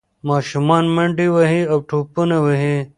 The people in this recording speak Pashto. ماشومان منډې وهي او ټوپونه وهي.